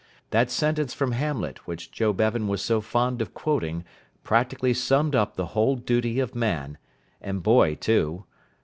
That sentence from Hamlet which Joe Bevan was so fond of quoting practically summed up the whole duty of man and boy too.